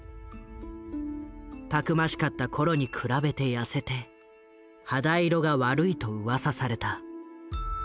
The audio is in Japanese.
たくましかった頃に比べて痩せて肌色が悪いとうわさされた。